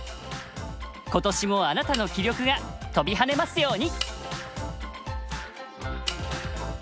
今年もあなたの棋力が跳びはねますように！